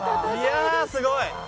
いやすごい。